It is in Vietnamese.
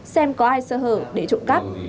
xem có ai sợ hở để trộm cắp